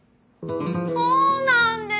そうなんです。